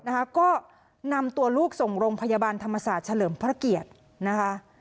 นะคะก็นำตัวลูกส่งโรงพยาบาลธรรมศาสตร์เฉลิมพระเกียรตินะคะ